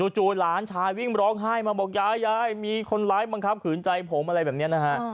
หลานชายวิ่งร้องไห้มาบอกยายยายมีคนร้ายบังคับขืนใจผมอะไรแบบนี้นะฮะ